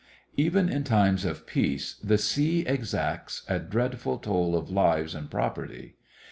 Even in times of peace the sea exacts a dreadful toll of lives and property.